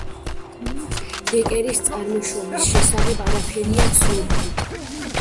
დეკერის წარმოშობის შესახებ არაფერია ცნობილი.